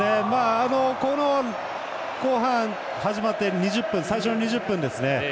後半始まって最初の２０分ですね。